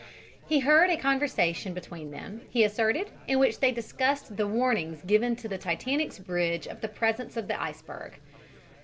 He heard a conversation between them, he asserted, in which they discussed the warnings given to the Titanic's bridge of the presence of the iceberg.